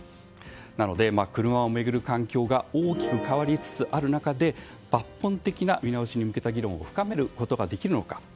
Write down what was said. なので、車を巡る環境が大きく変わりつつある中で抜本的な見直しに向けた議論を深めることができるのか。